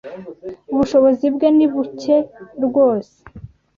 ubushobozi bwe ni buke rwose